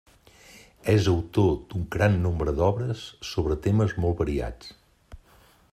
És autor d'un gran nombre d'obres sobre temes molt variats.